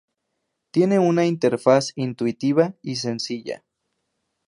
Tiene una interfaz intuitiva y sencilla.